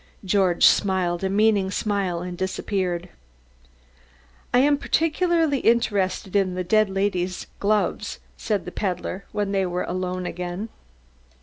George smiled a meaning smile and disappeared. "I am particularly interested in the dead lady's gloves," said the peddler when they were alone again.